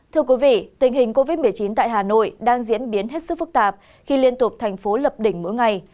thưa quý vị tình hình covid một mươi chín tại hà nội đang diễn biến hết sức phức tạp khi liên tục thành phố lập đỉnh mỗi ngày